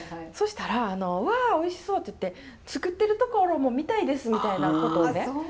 そしたら「わあおいしそう！」っていって「作ってるところも見たいです」みたいなことをね